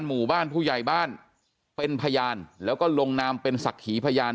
หมู่บ้านผู้ใหญ่บ้านเป็นพยานแล้วก็ลงนามเป็นศักดิ์ขีพยาน